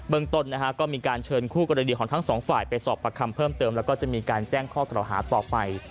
เบื้องตนก็มีการเชิญคู่กรดิษฐ์ของทั้ง๒ฝ่ายไปสอบประคำเพิ่มเติมแล้วก็จะมีการแจ้งข้อต่อหาต่อไป